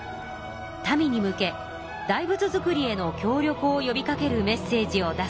民に向け大仏造りへの協力をよびかけるメッセージを出すのです。